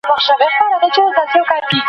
دوی به په ګډه ساینسي څېړنه پر مخ وړي.